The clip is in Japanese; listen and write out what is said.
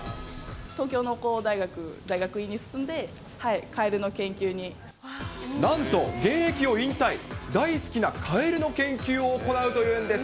東京農工大学の大学院に進んなんと、現役を引退、大好きなカエルの研究を行うというんです。